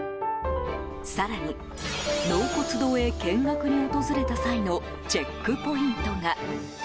更に納骨堂へ見学に訪れた際のチェックポイントが。